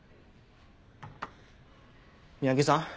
三宅さん？